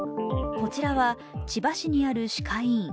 こちらは千葉市にある歯科医院。